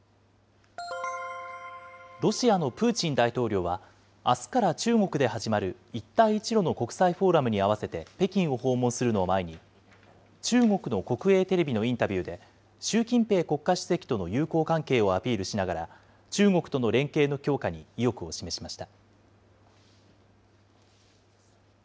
ロシアのプーチン大統領は、あすから中国で始まる一帯一路の国際フォーラムに合わせて北京を訪問するのを前に、中国の国営テレビのインタビューで、習近平国家主席との友好関係をアピールしながら、中国との連携の強化に意欲を示しました。